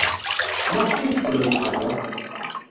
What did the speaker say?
Maɣef ay d-qqlent ɣer da?